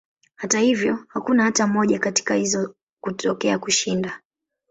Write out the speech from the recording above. Hata hivyo, hakuna hata moja katika hizo kutokea kushinda.